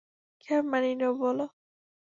কীভাবে মানিয়ে নেব, বলো?